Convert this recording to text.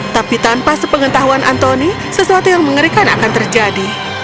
tapi tanpa sepengetahuan antoni sesuatu yang mengerikan akan terjadi